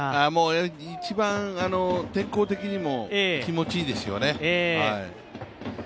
一番天候的にも気持ちいいですよね。